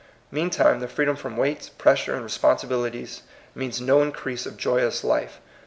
Meantime the freedom from weights, pressure, and responsibilities means no in crease of joyous life.